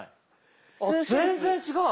あ全然違う。